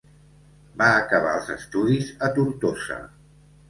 Va acabar els estudis a Tortosa.